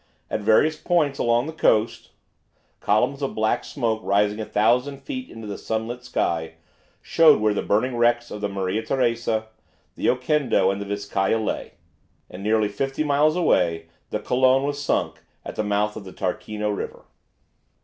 At various points along the coast columns of black smoke rising a thousand feet into the sunlit sky showed where the burning wrecks of the "Maria Teresa," the "Oquendo," and the "Vizcaya" lay, and nearly fifty miles away the "Colon" was sunk at the mouth of the Tarquino River.